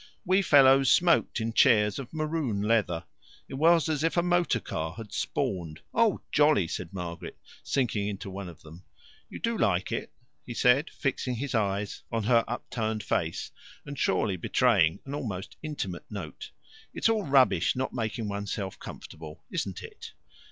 We fellows smoked in chairs of maroon leather. It was as if a motor car had spawned. "Oh, jolly!" said Margaret, sinking into one of them. "You do like it?" he said, fixing his eyes on her upturned face, and surely betraying an almost intimate note. "It's all rubbish not making oneself comfortable. Isn't it?"